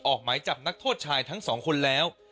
ออกไหมลดจับนักโทษส่องคนแล้ว